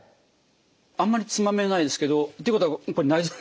あんまりつまめないですけどっていうことはこれ内臓。